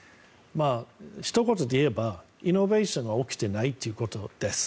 ひと言で言えばイノベーションが起きてないということです。